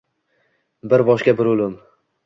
Bir boshga bir o`lim